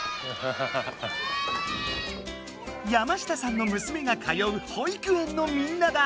山下さんの娘が通うほいく園のみんなだ！